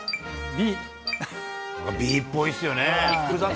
Ｂっぽいですよね。